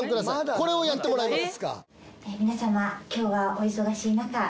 これをやってもらいます。